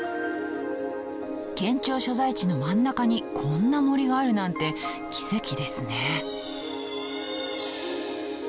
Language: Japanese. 県庁所在地の真ん中にこんな森があるなんて奇跡ですね。